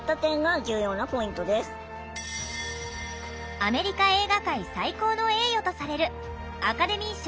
アメリカ映画界最高の栄誉とされるアカデミー賞